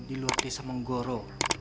di luar desa menggoro